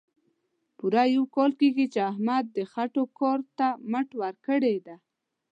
پوره یو کال کېږي، چې احمد د خټو کار ته مټ ورکړې ده.